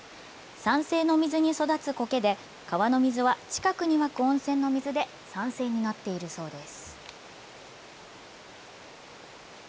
酸性の水に育つコケで、川の水は近くに湧く温泉の水で酸性になっているそうです。